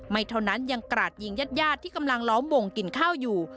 ไม่เท่านั้นยังกราดยิงญาติญาติที่กำลังล้อมวงกินข้าวอยู่